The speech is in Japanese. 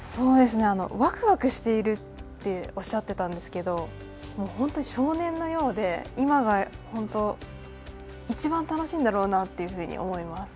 わくわくしているとおっしゃってたんですけれども本当に少年のようで、今が本当いちばん楽しいんだろうなというふうに思います。